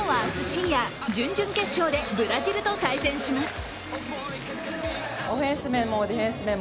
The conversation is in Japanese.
深夜、準々決勝でブラジルと対戦します。